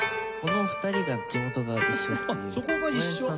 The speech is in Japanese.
この２人が地元が一緒。